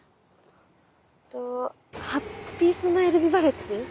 えっとハッピースマイルビバレッジ？